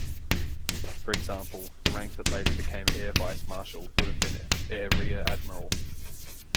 For example, the rank that later became air vice-marshal would have been air rear-admiral.